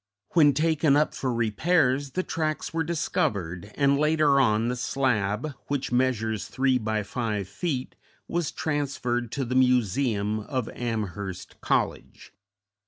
When taken up for repairs the tracks were discovered, and later on the slab, which measures three by five feet, was transferred to the museum of Amherst College.